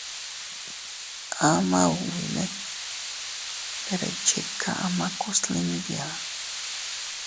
Ama ubine ndere iychika ama kuslin biaa.